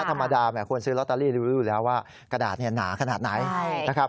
ธรรมดาควรซื้อลอตเตอรี่รู้อยู่แล้วว่ากระดาษนี้หนาขนาดไหน